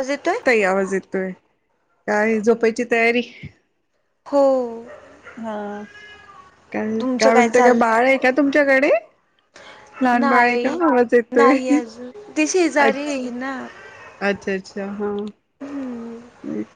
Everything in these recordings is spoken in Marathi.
आवाज येतोय? ताई आवाज येतोय... काय झोपायची तयारी हो हा.. काय... तुमचं काय म्हणते... काय चाललंय? बाळ आहे का तुमच्याकडे लहान बाळ आहे का... आवाज येतोय ते अच्छा शेजारीये ना.. अच्छा अच्छा हां एक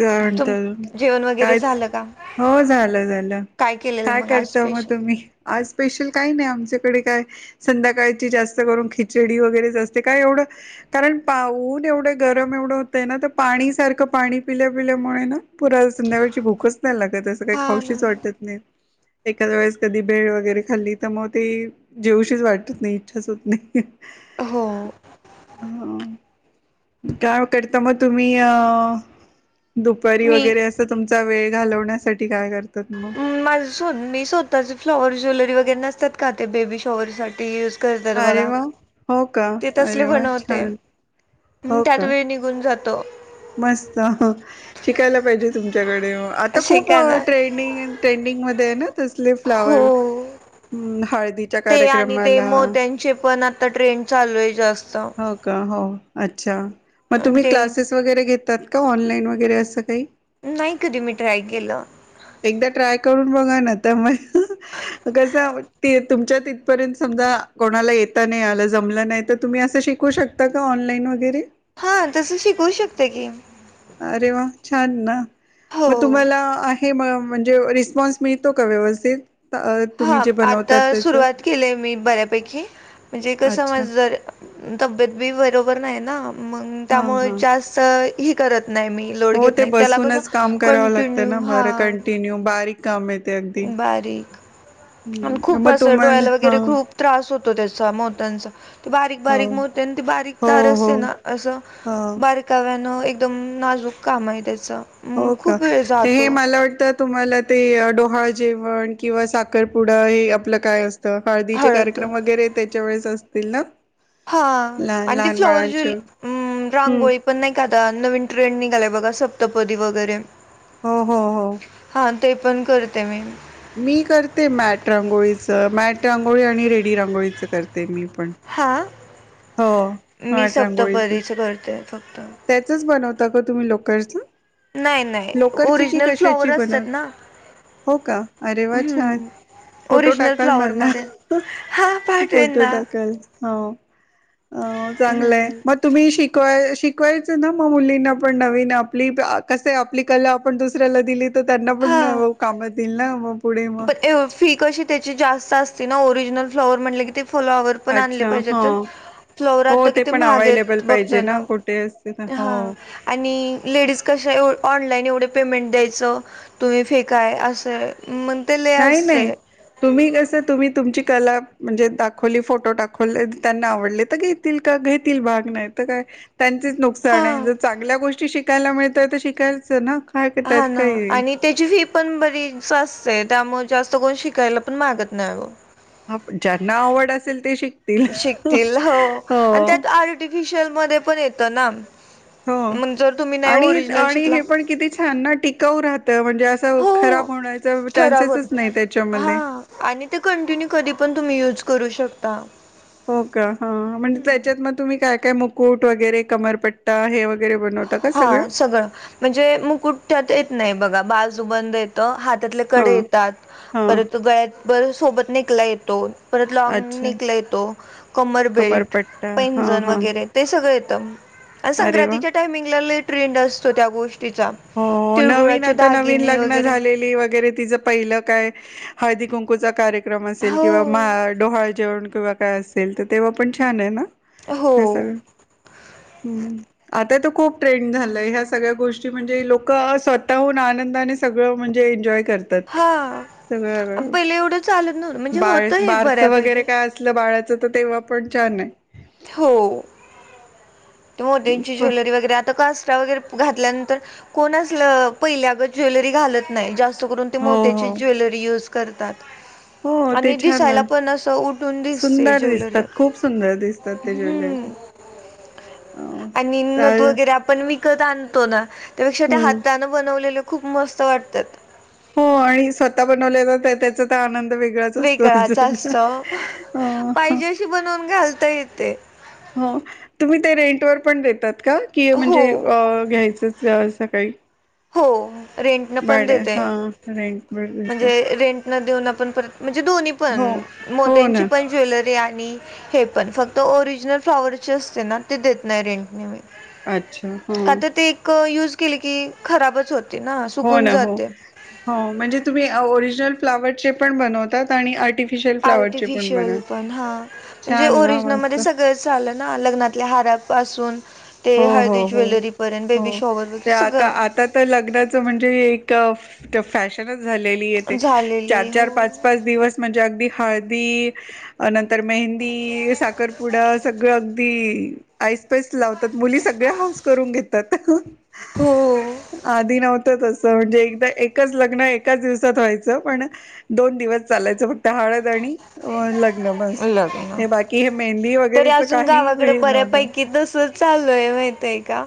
का तुम म्हणत जेवण वगैरे कायच झालं का? हो झालं झालं केलेलं काय आज करता मग स्पेशल? तुम्ही आज स्पेशल काही नाही आमच्याकडे काय संध्याकाळची जास्त करून खिचडी वगैरेच असते... काय एवढं कारण पाऊून एवढे गरम एवढं होतं ना तर पाणी सारखं पाणी पिल्या पिल्यामुळे ना पुन्हा संध्याकाळची भूकच नाही लागत असं काही हा ना खाऊशीच वाटत नाहीत एखादे वेळेस कधी भेळ वगैरे खाल्ली तर मग ते जेवूशिच वाटत नाही... इच्छाच होत नाही हो अ.. ह.. काय करता मग तुम्ही... अ दुपारी मी वगैरे असं तुमचा वेळ घालवण्यासाठी काय करतात मग माझं स्वत... मी स्वतः फ्लॉवर ज्वेलरी वगैरे नसतात का ते बेबी शॉवररसाठी युज... करतात अरे बघा... वा! हो का? ते तसले अरे वा! बनवते छान ह... हो त्यात का? वेळ निघून जा. मस्त.. शिकायला पाहिजे तुमच्याक आता खूप शिका ना ट्रेंडिंग... अन् ट्रेंडिंग मध्ये आहे ना तसले हो फ्लावर हम्म हळ.. ते आणि ते मोत्यांचे पण... आता ट्रेड चालू आहे जास्त हो का हो अच्छा मग तुम्ही ते क्लासेस वगैरे घेत त्यात का ऑनलाईन वगैरे असं काही नाही कधी मी ट्राय केलं एकदा ट्राय करून बघा ना तर मग कसं तुमच्या तिथपर्यंत समजा कोणाला येता नाही आ जमलं नाही तर तुम्ही असं शिकू शकता का ऑनलाईन वगैरे हा तसं शिकवू शकते की अरे वा छान ना हो मग तुम्हाला आहे हे म्हणजे रिस्पॉन्स मिळतो का व्यवस्थित अ, हा तुम्ही जे आता बनवतात त्याच सुरुवात केलीय मी बऱ्यापैकी म्हणजे क अच्छा समज जर तब्येत बी बरोबर नाही ना मग हा त्यामुळे हा जास्त ही करत नाही मी लोड हो घेत ते नाही त्याला कस बसूनच काम करावं लागतं कंटिन्यू ना हा बरं कंटिन्यू बारीक काम येते अगदी बारीक हं, खूप मग असं तुम्हाला डोळ्याला हा वगैरे हो खूप त्रास होतो त्याचा मोतांचा ते बारीक बारीक बारीक हो तार हो असते ना असं हो बारकाव्यान एकदम नाजूक काम आहे त्याचं मग हो का खूप वेळ ते हे जातो मला वाटतं तुम्हाला ते डोहाळ जेवण किंवा साखरपुडा हे आपलं काय असत हाळदीचे हळद कार्यक्रम वगैरे त्याच्या वेळेस असतील ना हा लहान आणि ती लहान फ्लॉवर ज बाळांचे हम्म रांगोळी पण नाही का आता नवीन ट्रेंड निघालाय बघा सप्तपदी वगैरे हो हो हो हा ते पण करते मी मी करते मॅट रांगोळीचं मॅट रांगोळी आणि रेडी रांगोळीच करते मी पण हा हो मी मॅट रांगोळीचं सप्तपदिच करतो त्याचच बनवता का तुम्ही लोकरच नाही नाही लोकरची की ओरिजनल फ्लॉवर कशाची असतात बनत ना हो का अरे वा छान हम्म फोटो ओरिजनल टाकाल मला फ्लॉवरमध्ये हा पाठवेन फोटो ना टाकाल हो अ चांगलंय हम्म मग तुम्ही शिकवाय शिक शिकवायचं ना म मुलींना पण नवीन आपली कस आपली कला आपण दुसऱ्याला दिली तर त्यांना पण हा कामात येईल ना मग पुढे मग पण फी कशी त्याची जास्त असती ना ओरिजिनल फ्लॉवर म्हटले की ते फ्लॉवर पण आणले अच्छा हा पाहिजेत हो फ्लवरता ते कि पण महाग अवेलेबल आहेत बघता पाहिजे ना कुठे असते ना ह हो आणि लेडीज ऑनलाईन एवढे पेमेंट द्यायचं तुम्ही फेकाय असं ते लय नाही नाही असतय. तुम्ही कस तुम्ही तुमची त्याला म्हणजे दाखवली फोटो दाखवले त्यांना आवडले तर घेतील का घेतील भाग नाही तर काय त्यांचेच नुकसान आहे हा. जर चांगल्या गोष्टी शिकायला मिळतय तर शिकायचं ना काय त्यात हा ना काय आहे. आणि त्याची फी पण बरीच स्वस्त आहे त्यामुळे जास्त कोण शिकायला पण मागत नाही ग ज्यांना आवड असेल ते शिक शिकतील हो आणि त्यात आर्टिफिशियल मध्ये पण येतो ना हो मग जर तुम्ही नाही आणि ओरिजिनल आणि शिकला हे पण किती छान ना टिकाऊ राहत म्हणज हो खराब होत नाही आणि ते कंटिन्यू कधी पण तम्ही यज कर शकता हो का हा म्हणजे हम्म त्याच्यात मग तुम्ही काय काय मुकुट वगैरे कमरपट्टा हे वगैरे बनवत हा सगळं म्हणजे मुकुठत येत नाही बघा बाजू बंद येत हात त्यातले हा कडे येतात हा परत गळ्यात सोबत नेकला येतो. परत लॉग अच्छा नेकला येतो, कमर बेल्ट, कमरपट्टा हा पैंजण हा वगैरे ते सगळं येत. आणि अरे वा संक्रांतीच्या टायमिंगला ट्रेंड असतो त्या गोष्टी हो नवीन आता नवीन लग्न वगैरे झालेली वगैरे तिचं पहिलं काय हळदी कुंकूचा कार्यक्रम असेल हो, किंवा मा डोहाळ जेवण किंवा काय असेल तर तेव्हा पण छान आहे ना हो. हम् आता तर खूप ट्रेंड झालंय ह्या सगळ्या गोष्टी म्हणजे लोक स्वतःहून आनंदाने सगळं म्हणजे एन्जॉय करतात हा सगळं बाळ होतं हे बारस वगैरे बऱ्यापैकी. काय असलं बाळाचं तेव्हा पण छान आहे. हो ते मो त्यांची प ज्वेलरी वगैरे आता कास घल्यानंतर कोण पहिल्या ज्वेलरी घालत नाहीत जास्त. अस करून ते हो हो मोत्याची ज्वेलरी यूज करतात. हो ते आणि छान न दिसायला पण असं उठून दिसते सुंदर ज्वेलरी दिसतात. खूप सुंदर दिसत तात ते ज्वेलरी अ आणि् नथ तर वगैरे आपण विकत आणतो ना त्यापेक्षा त्या हम्म हाताान बनवलेल खूप मस्त वाटतात. हो आणि स्वतः बनवले जात त्याचा तर आनंद वेगळाच असतो वेगळाच अजून असतो हाह अ हा पाहिजे अशी बनवून घालता येते हो तुम्ही ते रेंट र पण देतात का, कि हो म्हणजे घ्यायचंच की अस काही हो रेंट न पण भाड्या देत हा रेंटवर म्हणजे घेतात रेंट न देऊन आपण परत म्हणजे दोन्ही पण हो हो मोत्यांची ना पण ज्वेलरी आहे. आणि हे पण फक्त ओरिजनल फ्लाॉवरचे असते ना ते देत नाही रेंटने मी अच्छा हो आता ते एक युज केले की खराबच होत. हो ना हो हो म्हणजे तुम्ही ओरिजनल फ्लावरचे पण बनवतात आणि आर्टिफ आर्टिफिशिल पण हा म्हणजे छान ना ओरिजनल म मस्त सगळच आलं ना लग्नातल्या हारापासून ते हो, हळदी हो, हो, ज्वेलरीपर्यंत बेबी हो शॉवर वगैरे त्या सगळं आता तर लग्नाच म्हणजे एक फॅशनच झालेली य ते चार झालेले -चार हो पाच -पाच दिवस म्हणजे अगदी हळदी नंतर मेहंदी साखरपुडा सगळ अगदी स्पेस लावतात मुली सगळ्या हौस करून घेतात आहा हो आधी नव्हत नव्हत तसं म्हणजे एकच लग्न एकाच दिवसात व्हायचं पण दोन दिवस चालायचं फक्त हा हळद आणि लग्न बस लग्न हे बाकी हे मेहंदी तरी वगैरेच काही व नव्हत चालूय माहितय का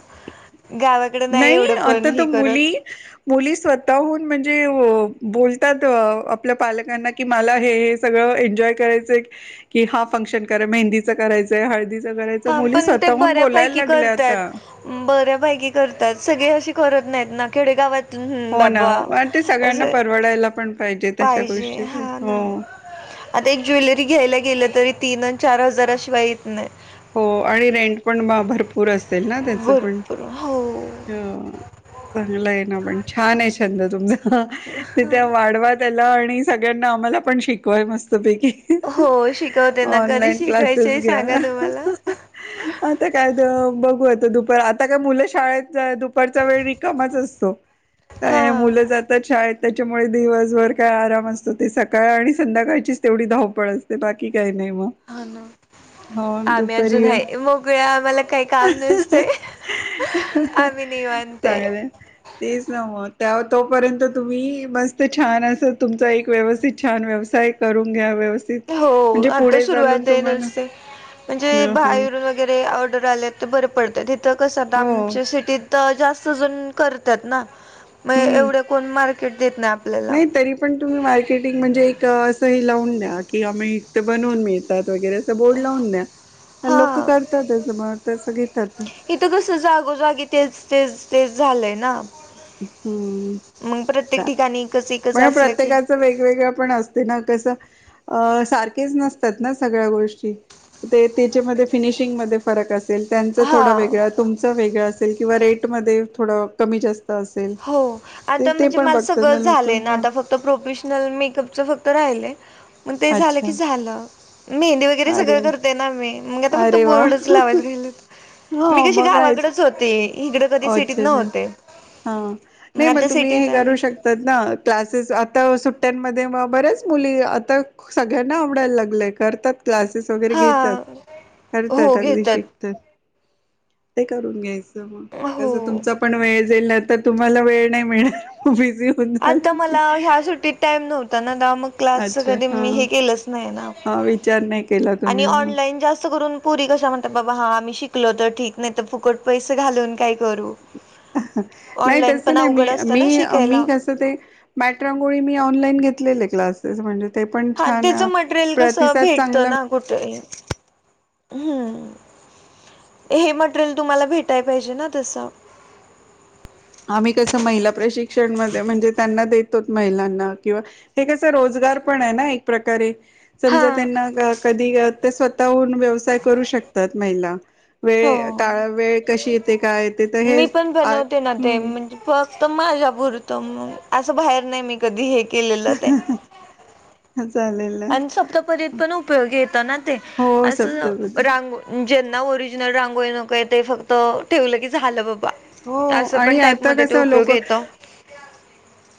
गावाकडे नाही एवढं कोण आता त हे मुली करत मुली स्वतःहून म्हणजे बोलतात आपल्या पालकांना कि मला हे सगळं एन्जॉय करायचं की हा फंक्शन मेहंदी चा करायचा, हळदीचा हा पण ते बऱ्यापैकी करतात आता. बऱ्या बऱ्यापैकी करतात सगळे असे करत नाहीत ना खेडेगावात हम् हो ना बाबा हो. आणि ते सगळ्यांना असं परवडायला पण तशा पाहिजे गोष्टी हा ना हो. आता एक ज्वेलरी घ्यायला गेलं तरी तीन आणि चार हजारशिवा येत नाही. हो आणि रेंट पण भरपूर. पूर असेल ना त्याच पण भरपूर हो. हा भरलय पण छान आहे छंद तुमचा हाहा ते वाढवा आणि सगळ्यांना आम्हाला पण शिकवाय मस्त पैकी हो शिकवते ना कधी ऑनलाइन क्लासेस शिकायचे घ्या. सांगा तुम्हाला आता काय बघूयात दुपार आता काय मुलं शाळेत दुपारचा वेळ रिकामच असतो हा का मुलं जातात शाळेत. त्याच्यामुळे दिवसभर काय आराम असतो ते सकाळ आणि संध्याकाळचीच तेवढी धावपळ असते बाकी काय नाही. नाही म हा ना हो दु आम्ही [unintelligible] अजून आहे मोकळ्या आम्हाला काही काम नसते आम्ही निवांत आहे. चांगलाय. तेच नाव तोपर्यंत तुम्ही मस्त छान अस तुमचा एक व्यवस्थित छान व्यवसाय करून घ्या. व्यवस्थित हो म्हणजे आता पुढे चालून सुरुवात आहे तुम्हाला नुसते म्हणजे ह ह बाहेरून वगैरे ऑर्डर आले तर ते बरे पडतं तिथं कसं आता हो आमच्या सिटीत तर जास्त जून करतात ना म हम्म एवढे कोण मार्केट देत नाही आपल्याला नाही तरी पण तुम्ही मार्केटिंग म्हणजे एक लावून द्या किंवा बनवून मिळतात वगैरे अस बोर्ड लावून द्या. हा, लोक करतातच मग तसं घेतात इथं कस जागोजागे तेच तेच तेच झालंय ना. हम्म. मग प्रत्येक चा ठिकाणी एकच एकच पण असलं की प्रत्येकाचं वेगवेगळ पण असते ना कस अ सारखेच नसतात ना सगळ्या गोष्टी ते त्याच्यामध्ये फिनिशिंगमध्ये फरक असत असल त्यांचं थोडा हा वेगळं तुमचं वेगळं असेल किंवा रेटमध्ये थोडं कमी जास्त अस हो आता म्हणजे मला सगळं लोक झालंय ना हा आता फक्त प्रोफेशनल मेकअपच फक्त राहिलय मग ते झालं अच्छा की झालं. मेहंदी वगैरे अरे सगळं करते ना मी मे आता फक्त अरे वा बोर्डच लावायच घेयल. मी हो कशी मग काय गावाकडेच होते इकडं कधी सिटीत नव्हते. मग नई आता तुम्ही हे सिटीत आले. करू शकतात ना क्लासेस आ आता सुट्ट्यांमध्ये म बऱ्याच मुली आता सगळ्यांना आवडायला लागलेय करतात क्लासेस वगैरे घेतात हा. हो करतात अगदी घेतात. शिकतात. ते करून घ्यायचं मग कसं हो. तुमचा पण वेळ [unintelligible] तुम्हाला वेळ नाही मिळेल आता मला ह्या सुट्टीत टाइम नव्हता ना मग क्लासच अच्छा कधी हा मी हे केलंच नाही ना. हा विचार नाही केला आणि तुम्ही मग. ऑनलाईन जास्त करून पुरी कसा म्हणतात बाबा हा आम्ही शिकलो तर ठीक नाही तर फुकट पैसे घालून काय करू. नाही ऑनलाईन तसं पण नाही मी अवघड असतं मी ना मी शिकायला. कसं ते मॅटरांगोळी मी ऑनलाईन घेतलेले क्लासेस म्हणजे ते पण हा छान त्याच मटेरियल कसं प्रतिसाद चांगला भेटतं ना कुठेही. हम्म. हे मटेरियल तुम्हाला भेटायला पाहिजे ना तस. आम्ही कसं महिला प्रशिक्षण म म्हणजे त्यांना महिलांना किंवा हे कस रोजगार पण आहे ना एक प्रकारे. समजा हा त्यांना कधी ते स्वतःहून व्यवसाय करू शकतात महिला. हो. वेळ काळ वेळ कशी येते काय येते तर हे मी पण बनवते ना ते हम्म म्हणजे फक्त माझ्या पुुरतं मग असं बाहेर नाही मी कधी हे केलेलं ते. चालेल ना आणि सप्तपरीत पण उपयोगी येत ना ते हो असं सप्तपदी रांग ज ओरिजिनल रांगोय नकोय ते फक्त ठेवलं की झालं ब हो असं पण आणि टाईप आता मध्ये त कसं उपयोग लोक येतो.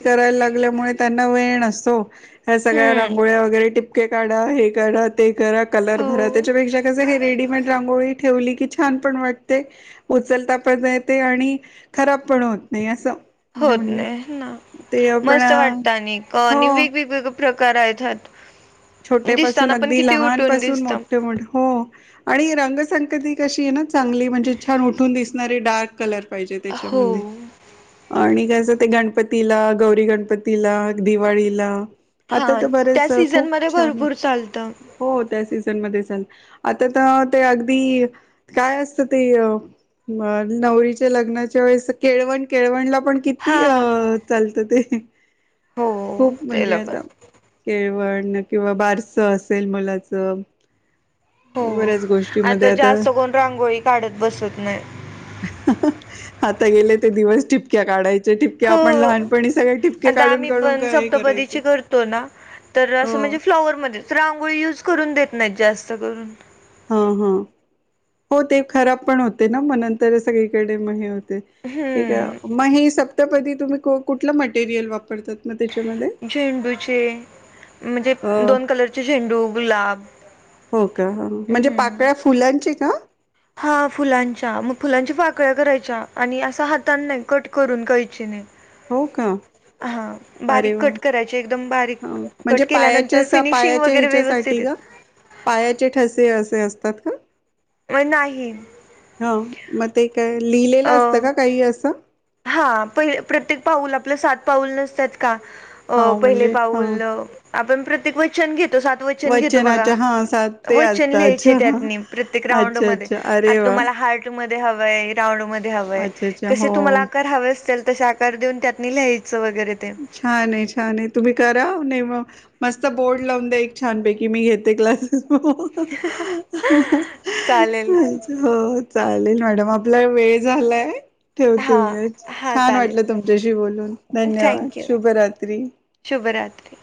करायला लागल्यामुळे त्यांना वेळ नसतो ह सगळ्या हम्म रांगोळ्या वगैरे टिपके काढा हे काढा ते करा कलर हो. भरा त्याच्यापेक्षा कस हे रेडीमेड रांगोळी ठेवली कि छान पण वाटते उचलतापता येते आणि खराब पण होत नाही असं होत म्हणजे नाही ना ते आपण मस्त वाटत आणि हो आणि वेगवेग प्रकार आहेतात छोटेपसून अगदी लहानपासून दिसतं मोठे मोठे हो आणि रंग संगती कशी आहे ना चांगली म्हणजे छान उठून दिसणारे डार्क कलर पाहिजे हो त्याच्यामध्ये आणि त्याच ते गणपतीला गौरी गणपतीला दिवाळीला आता हा तर बरेच त्या सीझन खूप मध्ये छान भरपूर चालतं हो त्या सीझन मध्ये झालं आता तर ते अगदी काय असतं ते अ मग नवरीच्या लग्नाच्या वेळेस केळवण केळवणला आपण किती हा चालतते हो खूप म्हणजे त्याला पण आता केळ वण किंवा बारस असेल मुलाच हो आता जास्त कोण रांगोळी काढत बसत न्हय ह हं ह आता गेले ते दिवस टिपक्या काढायच्या जे ठिपक्या आपण हो लहानपणी सगळे टिपके आता काढून आम्ही काढून पण काय सप्तपदीची करायचो करतो ना तर असं म्हणजे फ्लॉवरमध्येच रांगोळी युज करून देत नाहीत जास्त करून हा हा हो ते खराब पण होते ना मनंतर सगळीकडे म हे हो ते ते का आपण हम्म मग ही सप्तपदी तुम्ही कु कुठल मटेरियल वापरतात मग त्याच्यामध्ये झेंडूचे म्हणजे अ दोन कलरचे झेंडू गुलाब हो का म्हणजे हम्म पाकळ्या फुलांची का हा फुलांच्या मग फुलांच्या पाकळ्या करायच्या आणि असा हाताने न्हय कट करून कैचीने हो का हा अरे बारीक वा कट करायचे एकदम बारीक म्हणजे कट केल्यानंतर पायाच्यास फिनिशिंग पायाच्या वगैरे व्यवस्थित ह्याच्यासाठी येत पायाचे ठसे असे असतात का वण नाही हा मग ते काय अ लिहिलेलं असतं का काही असं हा पहि प्रत्येक पाऊल आपलं सात पाऊल नसत्यात का अ हा पहिले म्हणजे हा पाऊल आपण प्रत्येक वचन घेतो सात वचन घेतो बघा वचनाच्या हा सात ते वचन असतं लिहायचे अच्छा हा त्यातनी प्रत्येक राऊंड अच्छा मध्ये अच्छा अरे आता वा तुम्हाला हार्टमध्ये मध्ये हवय राऊंड मध्ये हवय अच्छा अच्छा कशे हो तुम्हाला आकार हवे असत्याल तसे आकार देऊन त्त्यातनी लिहायचं वगैरे ते छान अय छान अय तुम्ही करा नी मग मस्त बोर्ड लावून द्या एक छानपैकी मी घेते क्लासेस चालेल हो चालेल मॅडम आपला वेळ झालाय ठेवते हां मी हां छान वाटलं चालेल तुमच्याशी बोलून धन्यवाद थँक्यू शुभरात्री शुभरात्री